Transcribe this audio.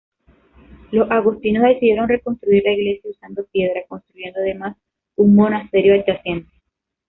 Los agustinos decidieron reconstruir la iglesia usando piedra construyendo además un monasterio adyacente.